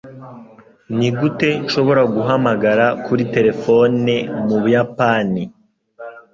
Nigute nshobora guhamagara kuri terefone mu Buyapani?